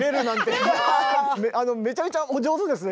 あのめちゃめちゃお上手ですね